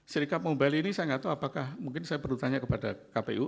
serikat mubali ini saya nggak tahu apakah mungkin saya perlu tanya kepada kpu